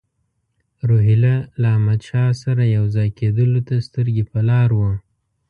روهیله له احمدشاه سره یو ځای کېدلو ته سترګې په لار وو.